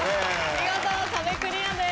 見事壁クリアです。